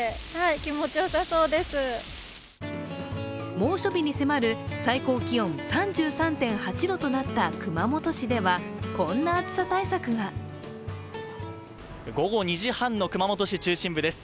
猛暑日に迫る最高気温３３．８度となった熊本市では、こんな暑さ対策が午後２時半の熊本市中心部です。